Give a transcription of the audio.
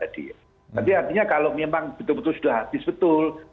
tapi artinya kalau memang betul betul sudah habis betul